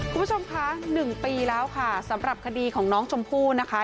คุณผู้ชมคะ๑ปีแล้วค่ะสำหรับคดีของน้องชมพู่นะคะ